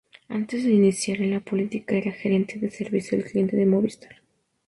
Antes de iniciar en la política era Gerente de Servicio al Cliente de Movistar.